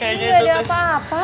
ini gak ada apa apa